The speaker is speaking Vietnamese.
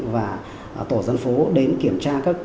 và tổ dân phố đến kiểm tra các